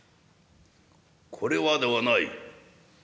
「これはではない。